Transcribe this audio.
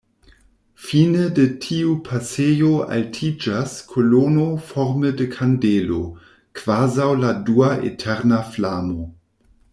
Fine de tiu pasejo altiĝas kolono forme de kandelo, kvazaŭ la dua eterna flamo.